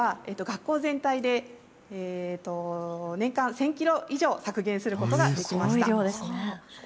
食料に関しては学校全体で年間１０００キロ以上、削減することができました。